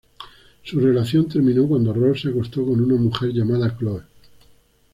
Su relación terminó cuando Ross se acostó con una mujer llamada Chloe.